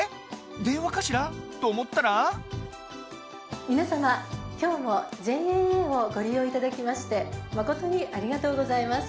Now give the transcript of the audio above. でんわかしらとおもったら「みなさまきょうもＪＡＡをごりよういただきましてまことにありがとうございます」。